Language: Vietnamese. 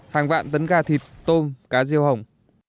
hàng vạn tấn gà thịt tôm cá riêu hồng